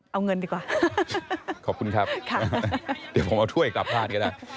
เอาเงินดีกว่าขอบคุณครับเดี๋ยวผมเอาถ้วยกลับบ้านก็ได้